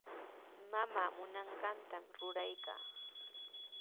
Mamaa munanqantami ruraykaa.